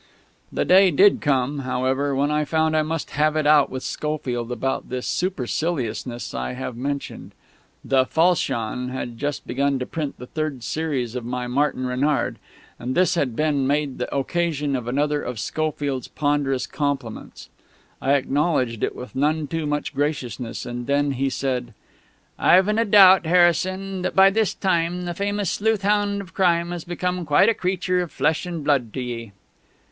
The day did come, however, when I found I must have it out with Schofield about this superciliousness I have mentioned. The Falchion had just begun to print the third series of my Martin Renard; and this had been made the occasion of another of Schofield's ponderous compliments. I acknowledged it with none too much graciousness; and then he said: "I've na doubt, Harrison, that by this time the famous sleuth hound of crime has become quite a creature of flesh and blood to ye."